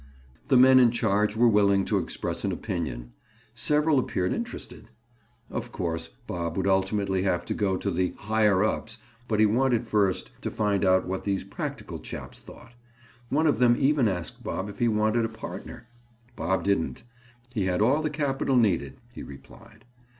The men in charge were willing to express an opinion; several appeared interested. Of course, Bob would ultimately have to go to the "higher ups," but he wanted first to find out what these practical chaps thought. One of them even asked Bob if he wanted a partner? Bob didn't. He had all the capital needed, he replied.